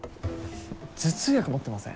頭痛薬持ってません？